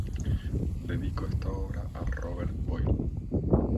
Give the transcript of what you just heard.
Dedicó esta obra a Robert Boyle.